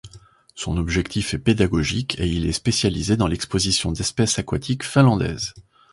Son objectif est pédagogique et il est spécialisé dans l’exposition d'espèces aquatiques finlandaises.